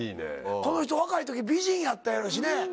この人若い時美人やったやろうしね。